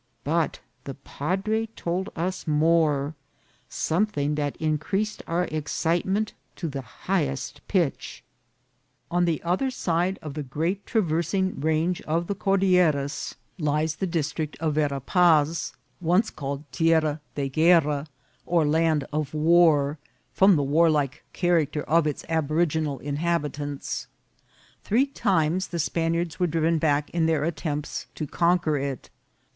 But the padre told us more ; something that increas ed our excitement to the highest pitch. On the other side of the great traversing range of Cordilleras lies the VOL. II.— B B 17 194 INCIDENTS OF TRAVEL. district of Vera Paz, once called Tierra de Guerra, 01 land of war, from the warlike character of its aborigi nal inhabitants. Three times the Spaniards were driven back in their attempts to conquer it.